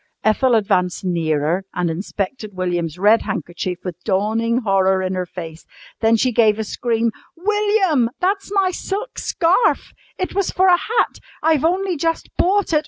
Ethel advanced nearer and inspected William's red handkerchief with dawning horror in her face. Then she gave a scream. "William, that's my silk scarf! It was for a hat. I've only just bought it.